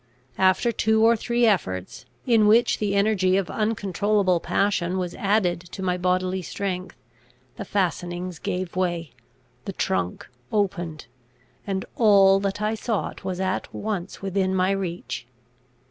After two or three efforts, in which the energy of uncontrollable passion was added to my bodily strength, the fastenings gave way, the trunk opened, and all that I sought was at once within my reach.